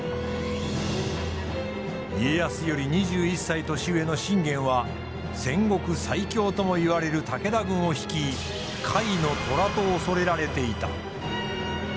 家康より２１歳年上の信玄は戦国最強ともいわれる武田軍を率い甲斐の虎と恐れられていた。